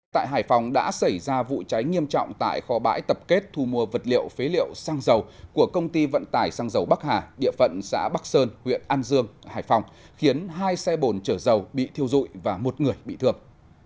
tại hải phòng đã xảy ra vụ cháy nghiêm trọng tại kho bãi tập kết thu mua vật liệu phế liệu xăng dầu của công ty vận tải sang dầu bắc hà địa phận xã bắc sơn huyện an dương hải phòng khiến hai xe bồn chở dầu bị thiêu dụi và một người bị thương